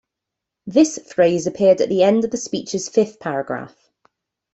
This phrase appeared at the end of the speech's fifth paragraph.